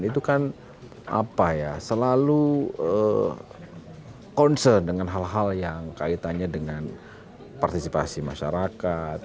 itu kan apa ya selalu concern dengan hal hal yang kaitannya dengan partisipasi masyarakat